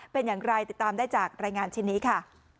เป็นอย่างไรติดตามได้จากรายงานชิ้นนี้ค่ะ